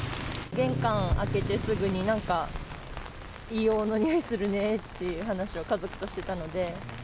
玄関開けてすぐに、なんか硫黄のにおいするねっていう話を家族としてたので。